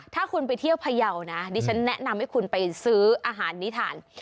ถ้าคุณไปเที่ยวพยาวนะดิฉันแนะนำให้คุณไปซื้ออาหารนิทาน